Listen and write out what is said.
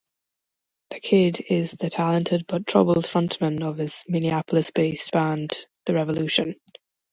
"The Kid" is the talented but troubled frontman of his Minneapolis-based band The Revolution.